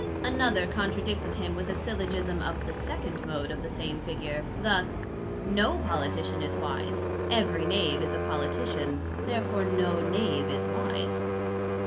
Another contradicted him with a Syllogism of the second Mode of the same Figure, thus: No Politician is wise: Every Knave is a Politician, Therefore no Knave is wise.